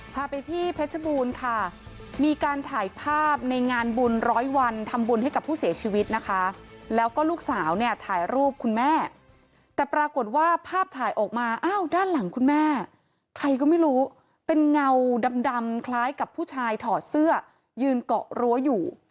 พาไปที่เพชรบูรณ์ค่ะมีการถ่ายภาพในงานบุญร้อยวันทำบุญให้กับผู้เสียชีวิตนะคะแล้วก็ลูกสาวเนี่ยถ่ายรูปคุณแม่แต่ปรากฏว่าภาพถ่ายออกมาอ้าวด้านหลังคุณแม่ใครก็ไม่รู้เป็นเงาดำคล้ายกับผู้ชายถอดเสื้อยืนเกาะรั้วอยู่